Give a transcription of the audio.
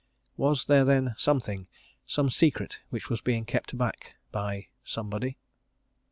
Was there, then, something some secret which was being kept back by somebody?